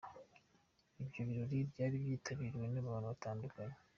Ibyo birori byari byitabiriwe n’abantu batandukanye.